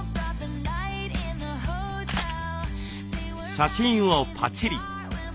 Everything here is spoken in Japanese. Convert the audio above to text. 写真をパチリ。